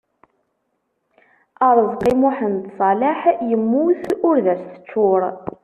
Aṛeẓqi Muḥend Ṣaleḥ, yemmut ur d as-teččur.